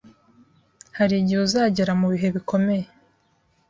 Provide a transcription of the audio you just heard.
hari igihe uzagera mu bihe bikomeye